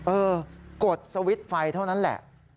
เออกดสวิตช์ไฟเท่านั้นแหละ